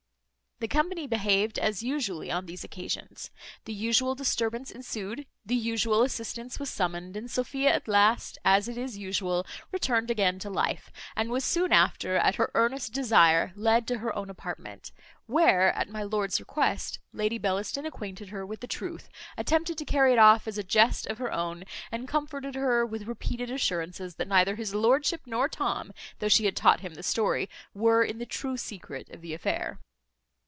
The company behaved as usually on these occasions. The usual disturbance ensued, the usual assistance was summoned, and Sophia at last, as it is usual, returned again to life, and was soon after, at her earnest desire, led to her own apartment; where, at my lord's request, Lady Bellaston acquainted her with the truth, attempted to carry it off as a jest of her own, and comforted her with repeated assurances, that neither his lordship nor Tom, though she had taught him the story, were in the true secret of the affair.